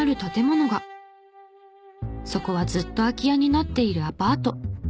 そこはずっと空き家になっているアパート。